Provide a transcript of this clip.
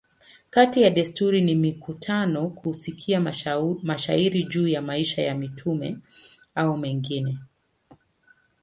Kati ya desturi ni mikutano, kusikia mashairi juu ya maisha ya mtume a mengine.